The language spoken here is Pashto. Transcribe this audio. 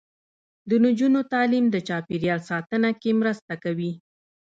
د نجونو تعلیم د چاپیریال ساتنه کې مرسته کوي.